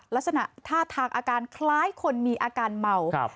ลักษณะท่าทางอาการคล้ายคนมีอาการเมา